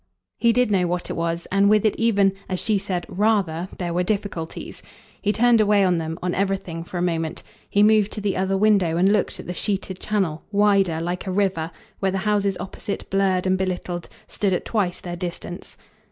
He did know what it was, and with it even, as she said rather! there were difficulties. He turned away on them, on everything, for a moment; he moved to the other window and looked at the sheeted channel, wider, like a river, where the houses opposite, blurred and belittled, stood at twice their distance.